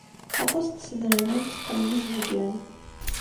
Aṭas n tsednan ay yetteqqnen izebgan.